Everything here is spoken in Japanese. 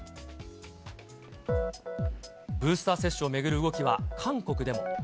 ブースター接種を巡る動きは韓国でも。